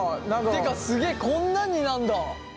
ってかすげえこんなんになんだ。